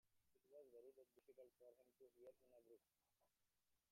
It was very difficult for him to hear in a group.